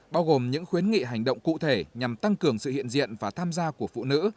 bao gồm những khuyến nghị hành động cụ thể nhằm tăng cường sự hiện diện và tham gia của phụ nữ